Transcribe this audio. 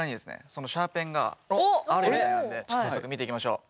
そのシャーペンがあるみたいなんで早速見ていきましょう！